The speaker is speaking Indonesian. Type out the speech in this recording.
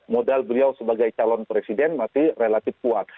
modal beliau sebagai calon presiden masih relatif kuat